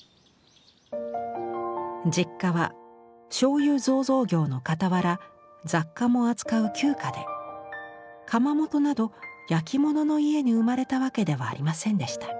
実家はしょうゆ醸造業のかたわら雑貨も扱う旧家で窯元などやきものの家に生まれたわけではありませんでした。